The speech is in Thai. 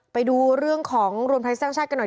ไปดูเรื่องของรวมไทยสร้างชาติกันหน่อย